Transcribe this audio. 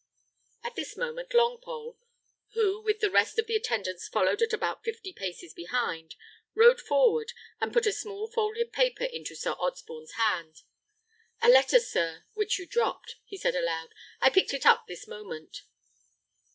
At this moment Longpole, who with the rest of the attendants followed at about fifty paces behind, rode forward, and put a small folded paper into Sir Osborne's hands. "A letter, sir, which you dropped," said he aloud; "I picked it up this moment."